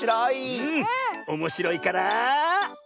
おもしろいから？